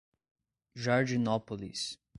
Jardinópolis